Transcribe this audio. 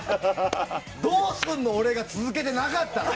どうすんの俺が続けてなかったら！